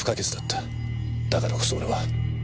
だからこそ俺は。